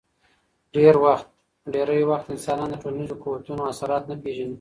ډېری وخت انسانان د ټولنیزو قوتونو اثرات نه پېژني.